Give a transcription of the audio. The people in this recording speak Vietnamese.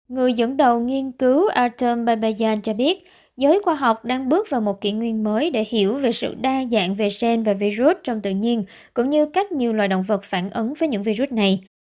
người dẫn đầu nghiên cứu atom babean cho biết giới khoa học đang bước vào một kỷ nguyên mới để hiểu về sự đa dạng về sen và virus trong tự nhiên cũng như cách nhiều loài động vật phản ứng với những virus này